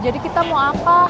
jadi kita mau apa